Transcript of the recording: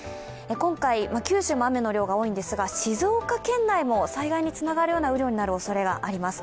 今回、九州も雨の量が多いんですが静岡県内も災害につながるような雨量になるおそれがあります。